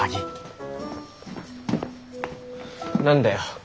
何だよ。